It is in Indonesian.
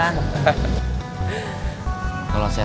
kalo sete masih bingung harus cari kerja apa